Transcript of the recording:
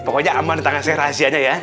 pokoknya aman di tangan saya rahasianya ya